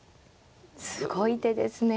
すごい手ですね。